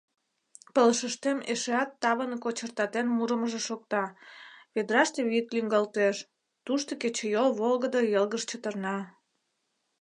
Пылышыштем эшеат тавын кочыртатен мурымыжо шокта, ведраште вӱд лӱҥгалтеш, тушто кечыйол волгыдо йылгыж чытырна.